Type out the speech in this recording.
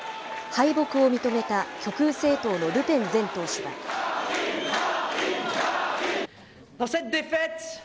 敗北を認めた極右政党のルペン前党首は。